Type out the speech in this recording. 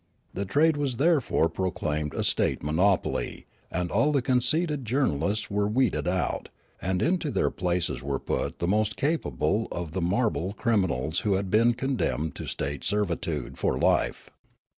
The trade was therefore proclaimed a state monopoly, and all the conceited journalists were weeded out ; and into their places were put the most capable of the marble criminals who had been condemned to state servitude for life.